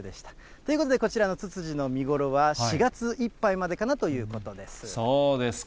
ということで、こちらのツツジの見頃は、４月いっぱいまでかなとそうですか。